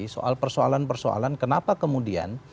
soal persoalan persoalan kenapa kemudian